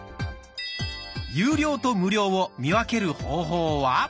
有料と無料を見分ける方法は。